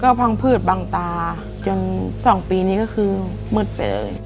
ก็พังพืชบังตาจน๒ปีนี้ก็คือมืดไปเลย